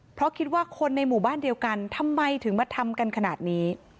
เพราะคิดว่าคนในหมู่บ้านเดียวกันทำไมถึงมาทำกันขนาดนี้